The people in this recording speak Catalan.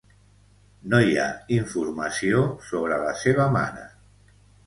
No hi ha informació sobre la seva mare.